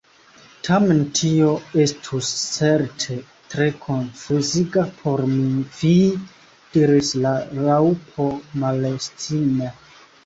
"Tamen tio estus certe tre konfuziga por mi!" "Vi!" diris la Raŭpo malestime ".